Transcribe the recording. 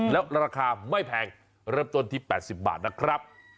แล้วราคาไม่แพงเริ่มต้นที่๘๐บาทนะครับ